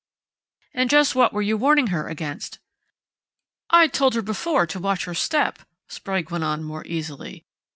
"And just what were you warning her against?" "I'd told her before to watch her step," Sprague went on more easily.